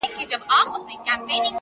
چي تا به وغوښتل ما هغه دم راوړل گلونه;